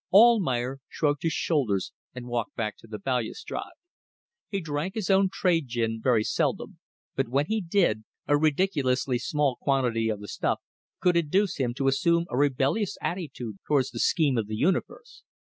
Almayer shrugged his shoulders and walked back to the balustrade. He drank his own trade gin very seldom, but when he did, a ridiculously small quantity of the stuff could induce him to assume a rebellious attitude towards the scheme of the universe.